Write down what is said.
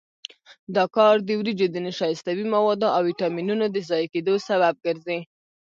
دا کار د وریجو د نشایستوي موادو او ویټامینونو د ضایع کېدو سبب ګرځي.